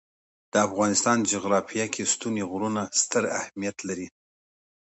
د افغانستان جغرافیه کې ستوني غرونه ستر اهمیت لري.